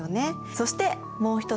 そしてもう一つ。